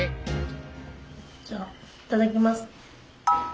じゃあいただきます。